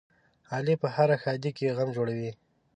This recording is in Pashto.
علي په هره ښادۍ کې غم جوړوي.